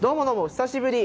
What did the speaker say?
久しぶり！